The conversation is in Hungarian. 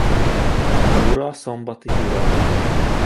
A mura-szombati urad.